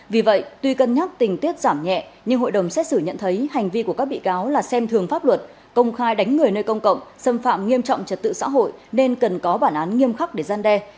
vì vậy tuy cân nhắc tình tiết giảm nhẹ nhưng hội đồng xét xử nhận thấy hành vi của các bị cáo là xem thường pháp luật công khai đánh người nơi công cộng xâm phạm nghiêm trọng trật tự xã hội nên cần có bản án nghiêm khắc để gian đe